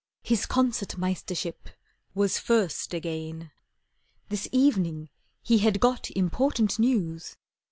His Concert Meistership Was first again. This evening he had got Important news.